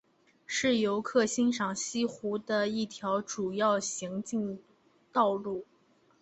是游客欣赏西湖的一条主要行进道路。